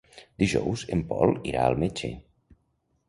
Dijous en Pol irà al metge.